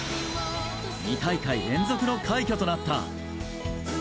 ２大会連続の快挙となった。